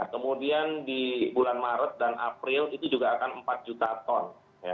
kemudian di bulan maret dan april itu juga akan empat juta ton